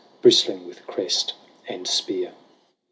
Bristling with crest and spear.